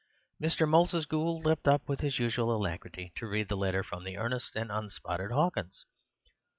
Mr. Moses Gould leapt up with his usual alacrity to read the letter from the earnest and unspotted Hawkins.